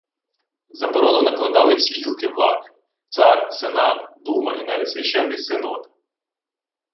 Заборону накладали всі гілки влади: цар, сенат, дума і навіть священний синод